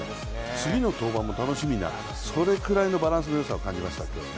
次の登板も楽しみな、それくらいのバランスのよさを感じました、今日は。